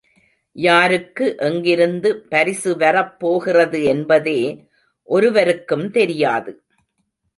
யாருக்கு எங்கிருந்து பரிசு வரப் போகிறது என்பதே ஒருவருக்கும் தெரியாது.